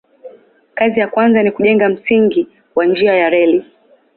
Kazi ya kwanza ni kujenga msingi wa njia ya reli.